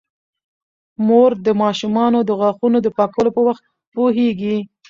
مور د ماشومانو د غاښونو د پاکولو په وخت پوهیږي.